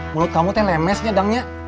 mulut kamu tuh lemes nyedangnya